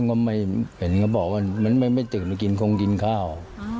ต้องก็ไม่เป็นก็บอกว่ามันไม่ถึงไปกินคงกินข้าว